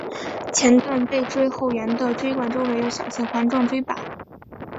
前段背椎后缘的椎管周围有小型环状椎版。